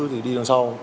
thì đi đằng sau